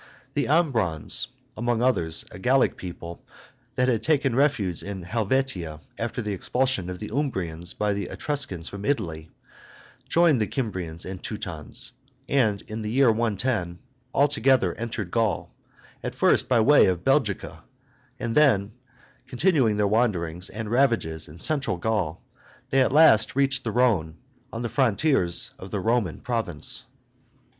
The Ambrons, among others, a Gallic peoplet that had taken refuge in Helvetia after the expulsion of the Umbrians by the Etruscans from Italy, joined the Cimbrians and Teutons; and in the year 110 B.C. all together entered Gaul, at first by way of Belgica, and then, continuing their wanderings and ravages in central Gaul, they at last reached the Rhone, on the frontiers of the Roman province.